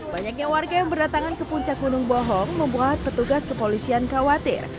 banyaknya warga yang berdatangan ke puncak gunung bohong membuat petugas kepolisian khawatir